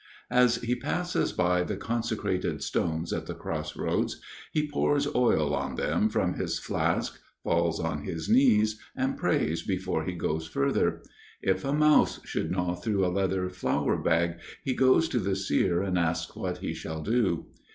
As he passes by the consecrated stones at the cross roads, he pours oil on them from his flask, falls on his knees, and prays before he goes further. If a mouse should gnaw through a leather flour bag, he goes to the seer and asks what he shall do.